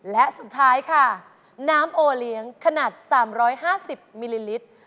และสุดท้ายค่ะน้ำโอเลี้ยงขนาด๓๕๐มิลลิลิตร